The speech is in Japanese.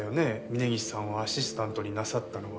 峰岸さんをアシスタントになさったのは。